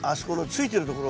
ついてるとこ？